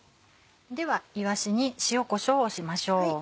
ではいわしに塩こしょうをしましょう。